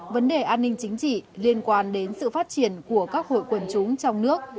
vấn đề an ninh chính trị liên quan đến sự phát triển của các hội quần chúng trong nước